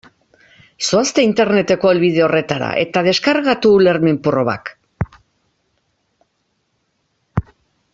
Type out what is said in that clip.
Zoazte Interneteko helbide horretara eta deskargatu ulermen-probak.